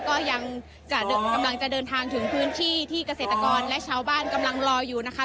กำลังจะเดินทางถึงพื้นที่ที่เกษตรกรและชาวบ้านกำลังรออยู่นะคะ